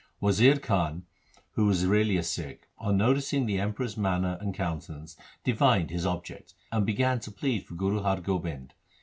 Wazir Khan, who was really a Sikh, on noticing the Emperor's manner and countenance divined his object, and began to plead for Guru Har Gobind.